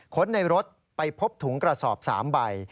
คนในรถไปพบถุงกระสอบ๓ใบ